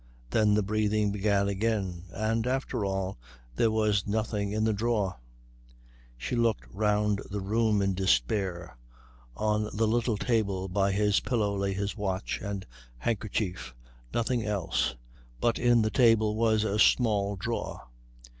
Then the breathing began again; and, after all, there was nothing in the drawer. She looked round the room in despair. On the little table by his pillow lay his watch and handkerchief. Nothing else. But in the table was a small drawer.